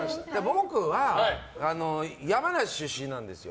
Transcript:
僕は、山梨出身なんですよ。